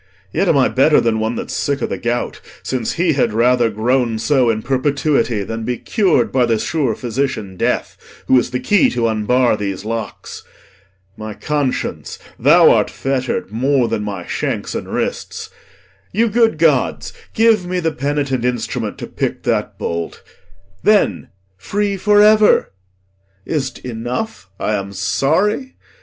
Yet am I better Than one that's sick o' th' gout, since he had rather Groan so in perpetuity than be cur'd By th' sure physician death, who is the key T' unbar these locks. My conscience, thou art fetter'd More than my shanks and wrists; you good gods, give me The penitent instrument to pick that bolt, Then, free for ever! Is't enough I am sorry?